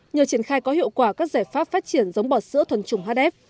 nhờ triển khai có hiệu quả các giải pháp phát triển giống bò sữa thuần trùng hf